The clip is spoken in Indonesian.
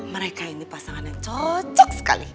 mereka ini pasangan yang cocok sekali